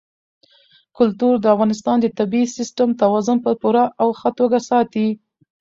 کلتور د افغانستان د طبعي سیسټم توازن په پوره او ښه توګه ساتي.